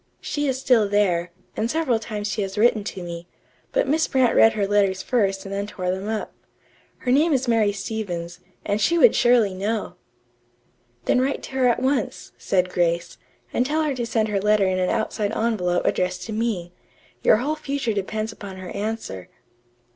She is still there, and several times she has written to me, but Miss Brant read her letters first and then tore them up. Her name is Mary Stevens, and she would surely know!" "Then write to her at once," said Grace, "and tell her to send her letter in an outside envelope addressed to me. Your whole future depends upon her answer."